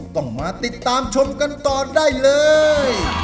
ต้องมาติดตามชมกันต่อได้เลย